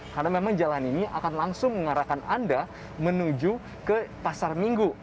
karena memang jalan ini akan langsung mengarahkan anda menuju ke pasar minggu